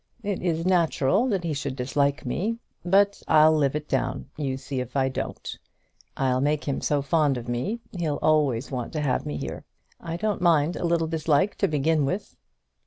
It is natural that he should dislike me. But I'll live it down. You see if I don't. I'll make him so fond of me, he'll always want to have me here. I don't mind a little dislike to begin with."